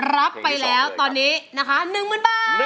รับไปแล้วตอนนี้นะคะ๑๐๐๐บาท